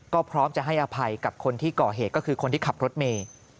ก็พร้อมจะให้อภัยกับคนที่ก่อเหตุก็คือคนที่ขับรถเมย์